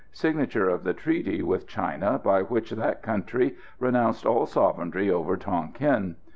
Signature of the treaty with China, by which that country renounces all sovereignty over Tonquin.